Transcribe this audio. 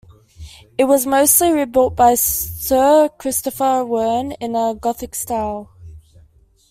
It was mostly rebuilt by Sir Christopher Wren in a Gothic style.